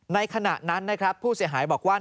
ขณะนั้นนะครับผู้เสียหายบอกว่า